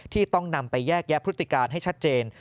ต้องนำไปแยกแยะพฤติการให้ชัดเจน